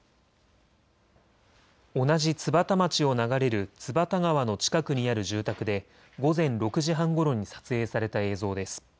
同じ津幡町を流れる津幡川の近くにある住宅で午前６時半ごろに撮影された映像です。